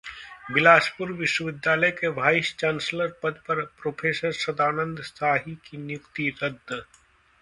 बिलासपुर विश्वविद्यालय के vice chancellor पद पर प्रोफेसर सदानंद शाही की नियुक्ति रद्द